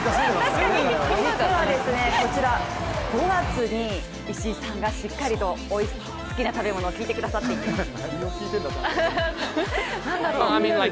こちら、５月に石井さんがしっかりと好きな食べ物を聞いてくださっています。